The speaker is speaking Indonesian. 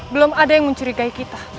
belum ada yang mencurigai kita